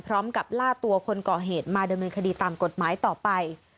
ล่าตัวคนก่อเหตุมาดำเนินคดีตามกฎหมายต่อไป